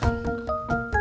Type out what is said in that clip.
tunggu bentar ya kakak